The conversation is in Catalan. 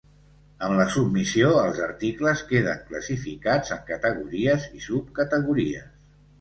Amb la submissió, els articles queden classificats en categories i subcategories.